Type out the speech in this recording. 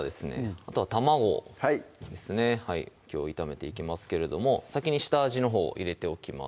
あとは卵ですねきょう炒めていきますけれども先に下味のほう入れておきます